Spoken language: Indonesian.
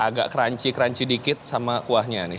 agak crunchy crunchy dikit sama kuahnya nih